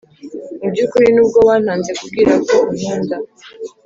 mubyukuri nubwo wantanze kubwira ko unkunda,